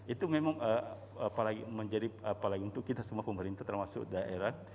itu memang apalagi menjadi apalagi untuk kita semua pemerintah termasuk daerah